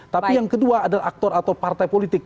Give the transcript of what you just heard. tapi yang kedua adalah aktor atau partai politik